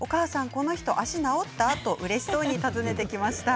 この人、足が治った？とうれしそうに尋ねてきました。